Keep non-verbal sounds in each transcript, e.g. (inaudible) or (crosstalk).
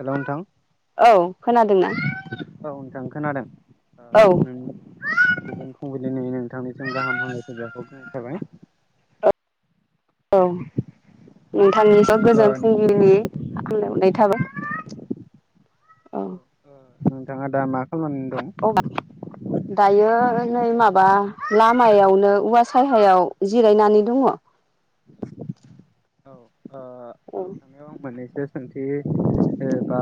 Hello नोंथां लौ औ खोनादोंना? औ नोंथां खोनादों ओ औ नों गोजोन फुंबिलिनि नोंथांनिसिम गाहाम हामलायथि बावहरग्रोनाय थाबाय। औ नोंथांनिसिम ओ गोजोन नों फुंबिलिनि हामलाय हरनाय थाबाय। औ औ-औ नोंथांआ दा मा खालामनानै दं ओ मां दायो नै माबा लामायावनो औवा सायहायाव जिरायनानै दङ। (inaudible) (inaudible) औ ओ औ नोंथांनियाव मोननैसो सोंथि बा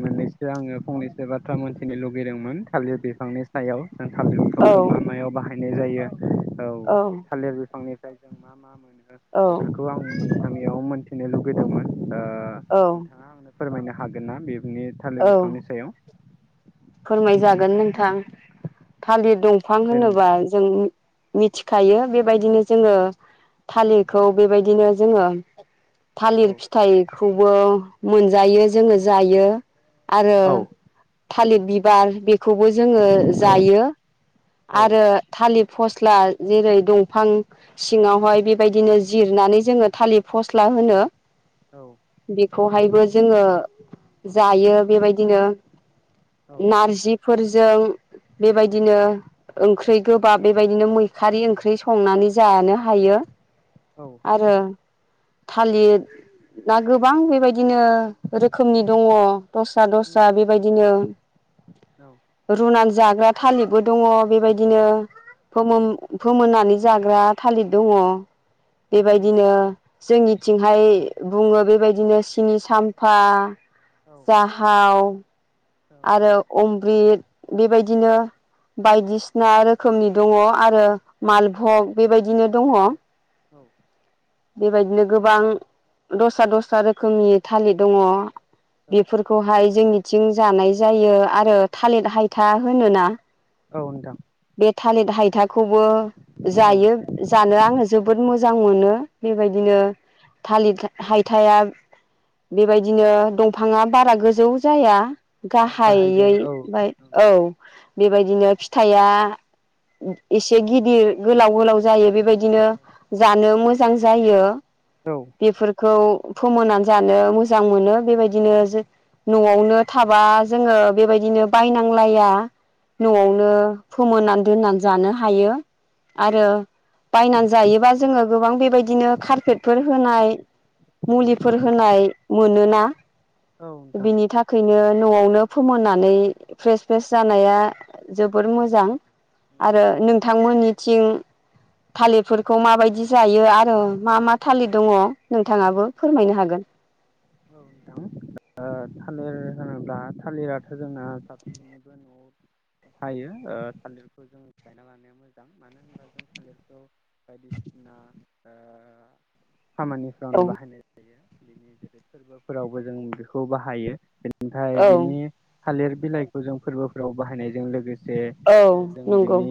मोननैसो आङो फंनैसो बाथ्रा मोन्थिनो लुगैदोंमोन थालिर बिफांनि सायाव जों थालिर औ बिफांखौ मा मायाव बाहायनाय जायो औ थालिर बिफांनि फ्राय जों मा-मा मोनो? औ याव मोनथिनो लुगैदोंमोन? ओ औ नोंथाङा आंनो फोरमायनो हागोन ना बेबनि थालिर बिफांनि सायाव? फोरमायजागोन औ नोंथां थालिर औ दंफां दे नों होनोबा मिथिखायो बेबायदिनो जोङो थालिरखौ औ बेबायदिनो जोंङो थालिर फिथाइ खौबो मोनजायो जोङो जायो। आरो औ थालिर बिबार बेखौबो जोङो जायो औ आरो थालिर फस्ला जेरै दंफां सिङावहाय बेबायदिनो जिरनानै जोङो थालिर फस सिख्ला होनो (unintelligible) औ खौहायबो जोङो जायो बेबायदिनो औ नारजि फोरजों बेबायदिनो ओंख्रि गोबाब बेबायदिनो मै खारै ओंख्रि संनानै जानो हायो औ आरो थालिर ना गोबां बेबायदिनो रोखोमनि दङ। दस्रा उम दस्रा बेबायदिनो औ रुनानै जाग्रा थालिरबो दंङ बेबायदिनो औ फोमोन-फोमोननानै जाग्रा थालिर दङ बेबायदिनो जोंनि थिंहाय बुङो बेबायदिनो सिनि साम्फा औ जाहाव आरो अम्रिद बेबायदिनो बायदिसिना रोखोमनि दंङ आरो मालभग बेबायदिनो दङ। औ बेबायदिनो गोबां दस्रा दस्रा रोखोमनि थालिर दङ। बेफोरखौहाय जोंनिथिं जानाय जायो आरो थालिर हायथा होनोना? औ नोंथां। बे थालिर हायथा खौबो औ जायो जानो आङो जोबोद मोजां मोनो बेबायदिनो थालिर हायथाया बेबायदिनो दंफांङा बारा गोजौ जाया गाहाय गाहायै जाया औ ओमफाय औ बेबायदिनो फि थाइया एसे गिदिर गोलाव गोलाव जायो बेबायदि बिदिनो जानो मोजां जायो औ बेफोरखौ फोमोननानै जानो मोजां मोनो बेबायदिनो जो न'आवनो थाबा जोंङो बेबायदिनो बायनांलाया न'आवनो फोमोननानै दोननानै जानो हायो औ आरो बायनानै जायोबा जोंङो गोबां बेबायदिनो कारपेट फोर होनाय मुलिफोर होनाय मोनोना नोंथां बिनि थाखायनो न'आवनो फोमोननानै फ्रेस फ्रेस जानाया जोबोर औ मोजां आरो नोंथांमोननिथिं थालिरफोरखौ माबायदि जायो आरो मा मा थालिर दंङ नोंथांङाबो फोरमायनो हागोन ओ थालिर होनोब्ला थालिरा जोंना थायो ओ ओ खामानिफ्रावनो औ बाहाय (unintelligible) फोरावबो जों बेखौ बाहायो। ओमफ्राय औ बिनि थालिर बिलाइखौ जों फोरबोफोराव बाहायनायजों लोगो से औ (inaudible) नंगौ बिनि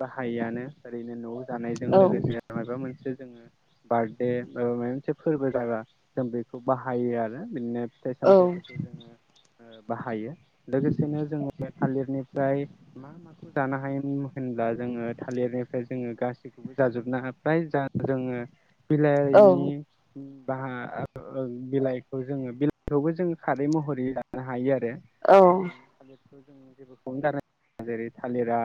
बाहायोआनो ओरैनो न'आव जानायजों औ लोगोसे मायबा मोनसे जोंङो बार्थडे ओ मायबा माबा मोनसे फोरबो जाबा जों बेखौ बाहायो आरो बिदिनो फिथाइ औ सामथाइफोरखौ जोंङो ओ बाहायो लोगोसेनो जोङो बे थालिरनिफ्राय मा माखौ जानो हायोमोन होनब्ला जोङो थालिरनिफ्राय जोंङो गासैखौबो जाजोबनो हा फ्राय जा जोङो औ बिलायारिनि बाहा आ ओ बिलाइखौ जोङो बिलाइखौबो जोंङो खारै महरै लानो हायो आ औ रो। (inaudible) जों जेबोखौनो गारा जेरै थालिरा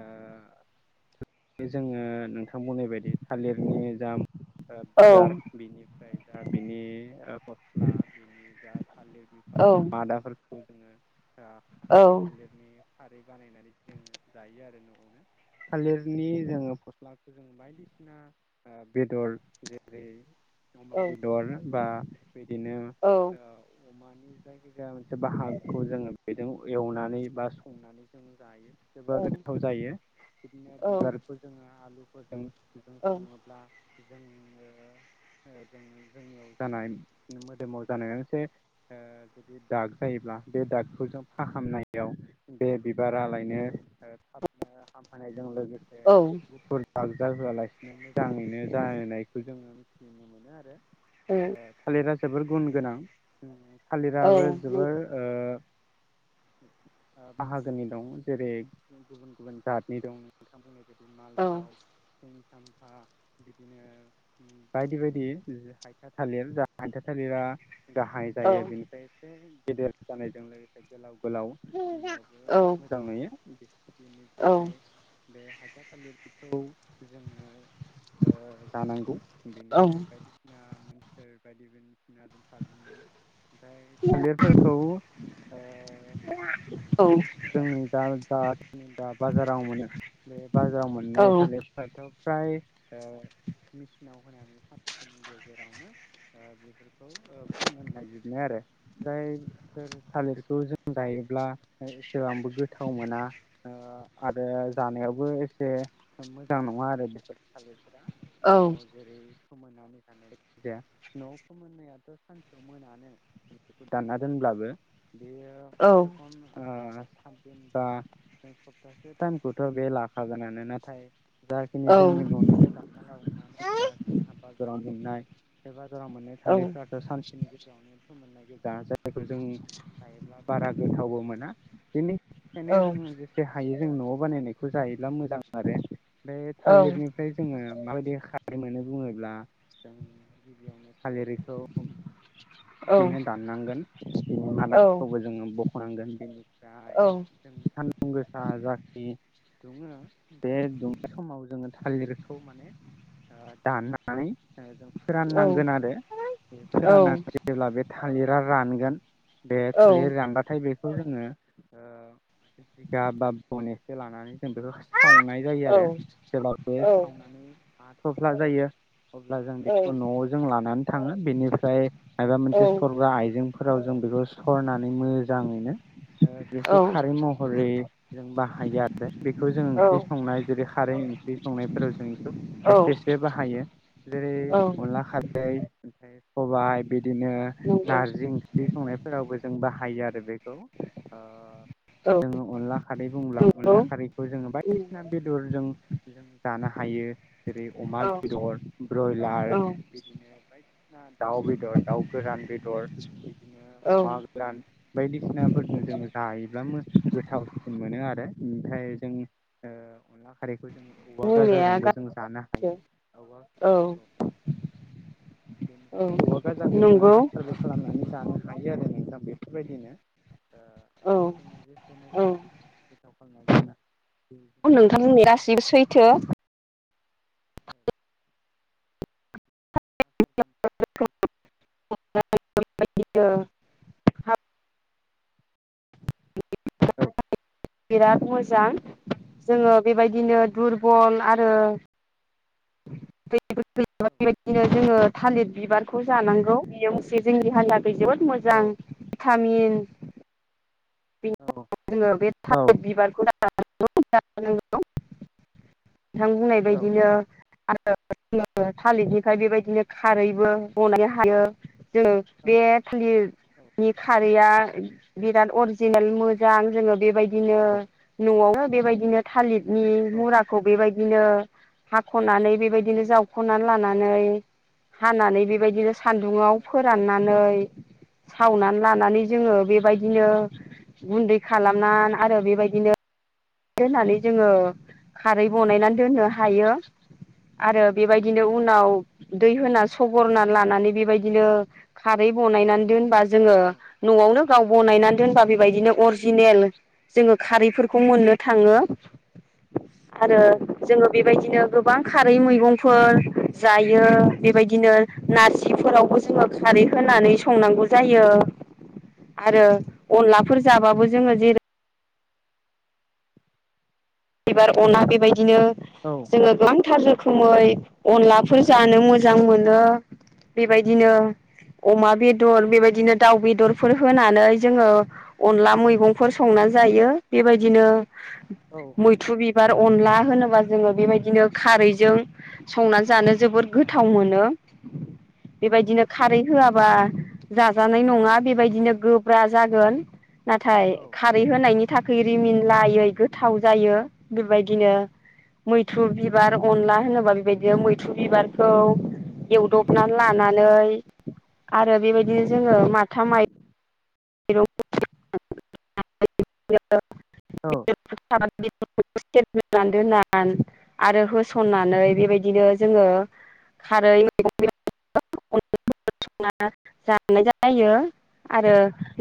ओ जोङो नोंथां बुंनाय बायदि थालिरनि जा ओ औ बिबार बिनिफ्राय दा बिनि ओ फस्ला बिनि जा थालिर बिफां बा मादाफोर खौ जोङो आ औ था-थालिरनि खारै बानायनानै जोंङो जायो आरो न'आवनो। थालिरनि जोङो फस्लाखौ जों बायदि बायदिसिना ओ बेदर जेरै अमा औ बेदर बा बिदिनो ओ अमानि जायखिजाया मोनसे बाहागोखौ जोङो बेदों एवनानै बा संनानै जों जायो। जोबोद गोथाव जायो बिदिनो बिबारखौ जोङो आलुफोरजों जों औ सङोब्ला जोंङो ओ जोङो जोंनियाव जानाय मोदोमाव जानाय मोनसे ओ जुदि दाग जायोब्ला बे दागखौ जों फाहामनायाव बे बिबारालायनो ओ थाबनो हामहोनाय जों लोगोसे औ गुफुर बागजा होआलासिनो मोजांङैनो जाहोनायखौ जोंङो मिथिनो मोनो आरो औ ओ थालिरा जोबोर गुन गोनां उम औ नंगौ औ थालिराबो जोबोर ओ ओ बाहागोनि दं। जेरै गुबुन गुबुन जातनि दं नोंथां बुंनाय बाय मालफग सिनि साम्फा बिदिनो बायदि बायदि हाइथा थालिर जा हाइथा थालिरा गाहाय जायो बेनिफ्राय गेदेर जानायजों लोगोसे गोलाव गोलाव नुनायावबो मोजां नुयो। बिनिफ्राय बे हायथा थालिरखौ जोङो ओ जानांगौ बेनिफ्राय बायदि सिना (unintelligible) (unintelligible) थालिर मोनो ओमफ्राय थालिरफोरखौ ओ जोंनि जा जा दा बाजाराव मोनो बे बाजाराव मोननाय थालिरफोराथ' फ्राय ओ मेसिनाव होनानै फा नि गेजेरावनो ओ बेफोरखौ फोमोननाय जोबनाय आरो जायफोर थालिरखौ जों जायोब्ला एसेबांबो गोथाव मोना ओ आरो जा नायावबो एसे मोजां नङा आरो बेफोर थालिरफोरा। न'आव जेरै दानना दोनब्ला (unintelligible) बेयो खमसेकम ओ सात दिन बा सप्तासे टाइमखौथ' बे लाखागोनानो। नाथाय जाखिनि जोंनि न'निफ्राय दानना लाबोनानै जाखिनि बाजाराव मोननाय बे बाजाराव मोननाय थालिरफोराथ' सानसेनि गेजेरावनो फोमोननाय गोजा जों हायोब्ला बारा गोथावबो मोना बेनिखायनो जों जेसे हायो। जों न'आव बानायनायखौ जायोब्ला मोजां आरो बेमफ्राय थालिरनिफ्राय जोङो। माबायदि ख मोनो बुङोब्ला जों गिबियावनो थालिरखौ। बिदिनो दाननांगोन बिनि आादाखौबो जोङो बख'नांगोन बिनिफ्राय। सान्दुं गोसा जाखि दुङो बे दुंनाय समाव जोङो थालिरखौ माने दान। जों औ फोराननांगोन आरो बे औ फोराननानै जेब्ला बे थालिरा रानगोन बे थालिर औ रानबाथाय बे बे खौ जोङो बिगा बा बन एसे लानानै जों बेखौ सावनाय जायो आरो जेब्ला बे सावनानै माथफ्ला जायो। अब्ला जों बेखौ न'आव जों लानानै थाङो बेनिफ्राय माबा मोनसे सरग्रा आइजेंफोराव जों बेखौ सरनानै मोजाङैनो बेखौ खारै महरै जों बाहायो बे बेखौ नंगौ जों ओंख्रि संनाय जेरै खारै ओंख्रि संनायफोराव जों बेखौ एसेथ एसे बाहायो। जेरै अनला खारै ओमफ्राय सबाय बिदिनो नारजि ओंख्रि संनायफोरावबो जों बाहायो आरो बेखौ औ जोङो अनला खारै बुंब्ला अनला नंगौ औ खारैखौ जोङो औ बायदिसिना बेदर जों जों जानो हायो। जेरै अमा बेदर ब्रयलार बिदिनो बायदिना दाउ बेदर दाउ गोरान बेदर बिदिनो अमा गोरान बायदिसिनाफोरनो जोङो सानो। जायोब्ला गोथावसिन मोनो आरो ओमफ्राय जों अनला खारैखौ जों औवा बुंनाया गाजाजोंबो जों जानो गासैबो हायो औा औ बेनि औ ज नंगौ जोङो खालामनानै जानो ह जादों न दा बेफोरबायदिनो औ जों जेखनो औ जों गोथाव (unintelligible) नोंथांमोननि रासिबो सैथो औ (unintelligible) बिराद मोजां जोङो बेबायदिनो दुरबल आरो बेबायदिनो जोङो थालिर बिबारखौ जानांगौ बेयो मोनसे जोंनि हारिया जोबोद औ मोजां टामिन औ बेनि जोङो बे औ थालिर बिबारखौ नोंथां बुंनाय बायदिनो आरो जो थालिरनिफ्राय बेबायदिनो खारैबो गनायनो हायो। जो बे थालिरनि खारैया बिराद जेनेल मोजां जोङो बेबायदिनो न'आवनो बेबायदिनो थालिर नि मुराखौ बेबायदिनो हाख'नानै बेबायदिनो जाव ख'नानै लानानै हानानै बेबायदिनो सान्दुंआव फोराननानै सावनानै लानानै जोङो बेबायदिनो गुन्दै खालामनानै आरो बेबायदिनो दोननानै जोङो खारै बनायनानै दोननो हायो आरो बेबायदि बिदिनो उनाव दै होना सगरना लानानै बेबायदिनो खारै बनायनानै दोनबा जोङो न'आवनो बनायनानै दोनबा बेबायदिनो अरिजिनेल जोङो खारैफोरखौ मोननो थाङो आरो जोङो बेबायदिनो गोबां खारै मैगंफोर जायो बेबायदिनो नारजिफोराव जोङो खारै होनानै संनांगौ जायो। (inaudible) आरो अनलाफोर जाबाबो जोङो जेरै बिबार अना बेबायदिनो जोङो गोबांथार रोखोमै अनला फोर जानो मोजां मोनो बेबायदिनो अमा बेदर बेबायदिनो दाउ बेदरफोर होनानै जोङो अनला मैगंफोर संनानै जायो बेबायदिनो मैथ्रु बिबार अनला होनोबा जोङो बेबायदिनो खारैजों संनानै जानो जोबोद गोथाव मोनो बेबायदिनो खारै होआबा जाजानाय नङा बेबायदिनो गोब्रा जागोन नाथाय खारै होनायनि थाखाय रिमिन लायै गोथाव जायो बेबायदिनो मैथ्र बिबार अनला होनोबा बेबायदिनो मैथ्रु बिबारखौ एवदबनानै लानानै आरो बेबायदिनो जोङो माथाम माइरं औ र सेरनानै दोननानै आरो होसननानै बेबायदिनो जोङो खारैै ना जानाय जायो आरो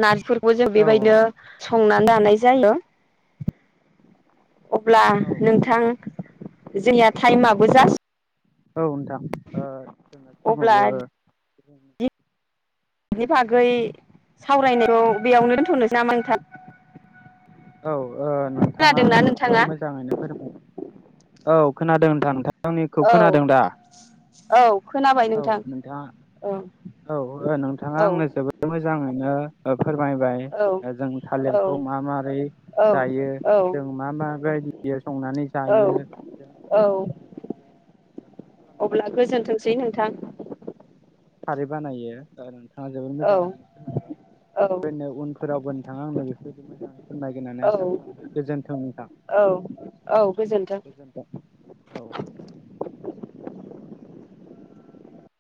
नार्जिफोरखौ जों बेबायदिनो संनानै जानाय जायो अब्ला औ नोंथां जोंया टाइमाबो जासि औ नोंथां अब्ला जोंनाबो बाना बागै सावरायनायखौ बेयावनो दोन्थ'नोसोय नामा नोंथां औ नोंथाङा खोनादोंना आंनो नोंथाङा जोबद मोजाङैनो फोरमाय औ खोनादोंथां नोंथां आंनिखौ औ खोनादों दा औ खोनाबाय औ नोंथां नोंथाङा औ औ नोंथाङा औ आंनो जोबोद मोजांनो फोरमायबाय औ जों थालिरखौ मा मारै औ जायो औ जों मा मा माबायदि संनानै औ जायो औ मार बि अब्ला गोजोनथोंसै नोंथां खारै बानायो आरो नोंथाङा जोबोद औ मोजाङैनो फोरमायबाय औ बेफोरनो उनफोरावबो नोंथाङा आंनो बेफोरबायदि मोजाङै फोरमायगोननानै औ आसा खालामबाय गोजोन्थों नोंथां औ औ गोजोन्थों। गोजोनथों औ